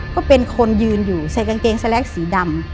ก็เป็นคนยืนอยู่ใส่กางเกงสแลกสีดำ